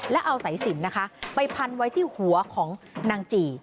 แล้วเอาสายสินนะคะไปพันไว้ที่หัวของนางจี่